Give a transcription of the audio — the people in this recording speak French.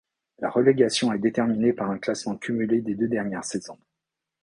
La relégation est déterminée par un classement cumulé des deux dernières saisons.